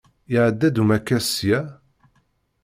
Iɛedda-d umakkas sya?